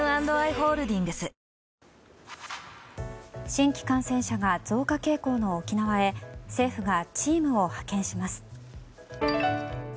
新規感染者が増加傾向の沖縄へ政府がチームを派遣します。